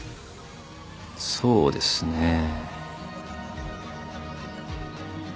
そうですね。